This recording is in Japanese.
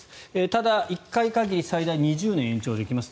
ただ、１回限り最大２０年延長できます。